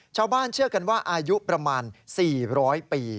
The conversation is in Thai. ชาวบ้านเชื่อกันว่าอายุประมาณ๔๐๐ปี